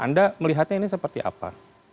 anda melihatnya ini seperti apa